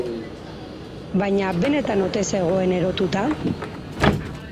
Baina benetan ote zegoen erotuta?